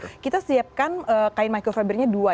lalu kita siapkan kain microfibernya dua